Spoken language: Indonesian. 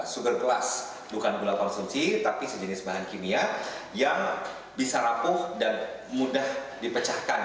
sugar class bukan gula konsumsi tapi sejenis bahan kimia yang bisa rapuh dan mudah dipecahkan